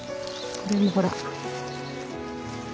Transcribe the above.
これもほら。